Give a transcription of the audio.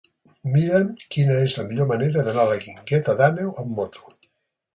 Mira'm quina és la millor manera d'anar a la Guingueta d'Àneu amb moto.